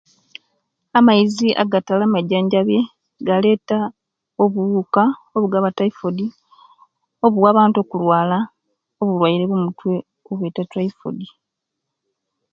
Amaizi agatali amaijanjabye galeta obuwuka obugaba typhoid owa abantu okulwala obulwaire obwomutwe obwebayeta typhoid